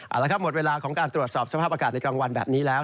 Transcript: เอาละครับหมดเวลาของการตรวจสอบสภาพอากาศในกลางวันแบบนี้แล้ว